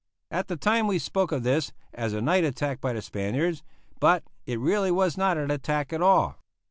At the time we spoke of this as a night attack by the Spaniards, but it really was not an attack at all.